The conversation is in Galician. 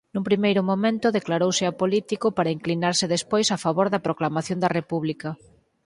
Nun primeiro momento declarouse apolítico para inclinarse despois a favor da proclamación da República.